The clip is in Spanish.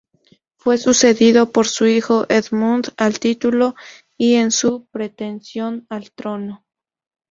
Fue sucedido por su hijo Edmund, al título y en su pretensión al trono.